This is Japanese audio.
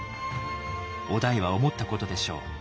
於大は思ったことでしょう。